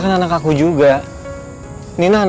aku pikir tadi kamu terlalu keras